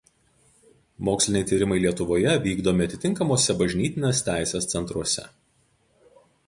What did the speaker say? Moksliniai tyrimai Lietuvoje vykdomi atitinkamuose bažnytinės teisės centruose.